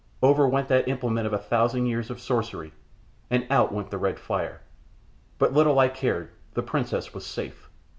Over went that implement of a thousand years of sorcery, and out went the red fire. But little I cared the princess was safe!